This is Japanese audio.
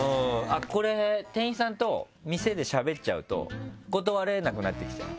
これ店員さんと店でしゃべっちゃうと断れなくなってきちゃう？